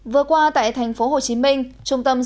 vừa qua tại tp hcm